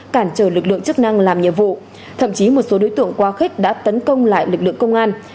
cản trở lực lượng chức năng làm nhiệm vụ thậm chí một số đối tượng quá khích đã tấn công lại lực lượng công an